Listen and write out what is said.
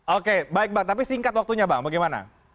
oke baik bang tapi singkat waktunya bang bagaimana